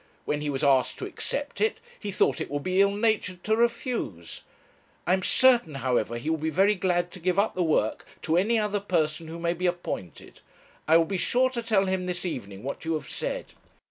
When he was asked to accept it, he thought it would be ill natured to refuse; I am certain, however, he will be very glad to give up the work to any other person who may be appointed. I will be sure to tell him this evening what you have said.'